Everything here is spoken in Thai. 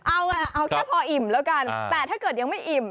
เอาแค่พออิ่มแล้วกันแต่ถ้าเกิดยังไม่อิ่ม